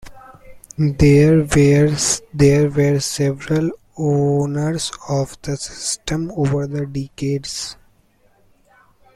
There were several owners of the system over the decades.